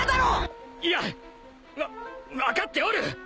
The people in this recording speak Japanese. いやわ分かっておる！